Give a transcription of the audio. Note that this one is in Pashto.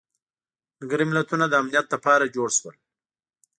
ملګري ملتونه د امنیت لپاره جوړ شول.